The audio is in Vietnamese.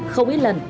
không ít lần